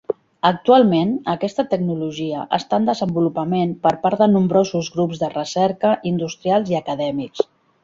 Actualment, aquesta tecnologia està en desenvolupament per part de nombrosos grups de recerca industrials i acadèmics.